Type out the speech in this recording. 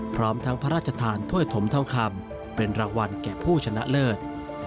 พร้อมทั้งพระราชทานถ้วยถมทองคำเป็นรางวัลแก่ผู้ชนะเลิศ